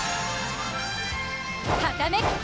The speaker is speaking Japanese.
はためく翼！